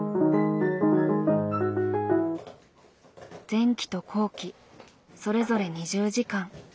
前期と後期それぞれ２０時間。